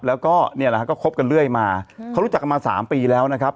แล้วก็เนี่ยแหละฮะก็คบกันเรื่อยมาเขารู้จักกันมา๓ปีแล้วนะครับ